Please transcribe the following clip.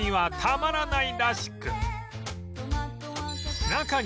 はい。